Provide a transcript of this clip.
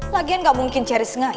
lagian gak mungkin cherry sengaja kan